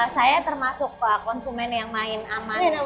saya termasuk konsumen yang main aman